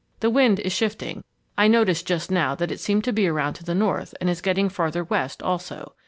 "The wind is shifting. I noticed just now that it seemed to be around to the north and is getting farther west also.